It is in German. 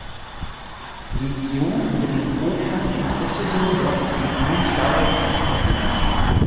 Legion über den Hochrhein und richtete dort das Legionslager Dangstetten ein.